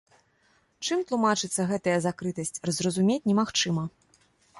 Чым тлумачыцца гэтая закрытасць, зразумець немагчыма.